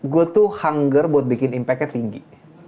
gue tuh hunger buat bikin impactnya tinggi